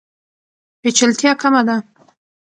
پیچلتیا کمه ده.